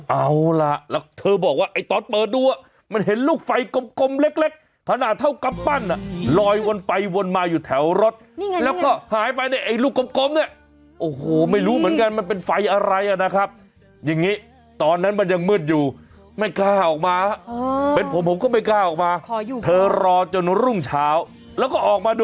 เอาล่ะแล้วเธอบอกว่าตอนเปิดดูมันเห็นลูกไฟกลมเล็ก